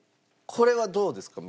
これはどうですか？